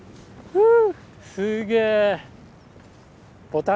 うん。